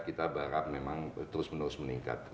kita berharap memang terus menerus meningkat